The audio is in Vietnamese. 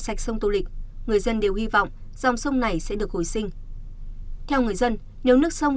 sạch sông tô lịch người dân đều hy vọng dòng sông này sẽ được hồi sinh theo người dân nếu nước sông